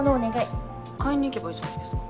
買いに行けばいいじゃないですか。